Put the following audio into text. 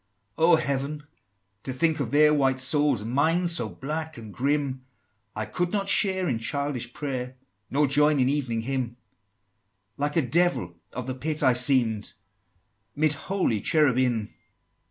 XXIII. "Oh, Heaven! to think of their white souls, And mine so black and grim! I could not share in childish prayer, Nor join in Evening Hymn: Like a Devil of the Pit I seem'd, 'Mid holy Cherubim!"